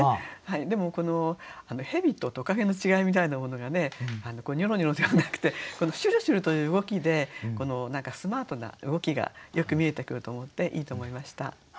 でもこの蛇と蜥蜴の違いみたいなものが「にょろにょろ」ではなくてこの「しゅるしゅる」という動きでスマートな動きがよく見えてくると思っていいと思いました。